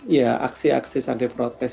ya aksi aksi sampai protes